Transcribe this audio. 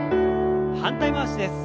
反対回しです。